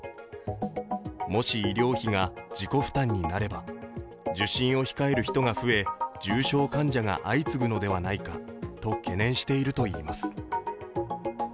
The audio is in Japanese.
もし医療費が自己負担になれば受診を控える人が増え重症患者が相次ぐのではないかと懸念しているといいます。